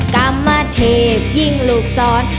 กรรมเทพยิ่งลูกศร